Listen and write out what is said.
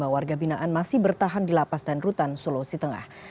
satu tujuh ratus sembilan puluh lima warga binaan masih bertahan di lapas dan rutan sulawesi tengah